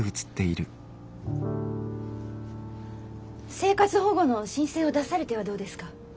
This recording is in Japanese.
生活保護の申請を出されてはどうですか？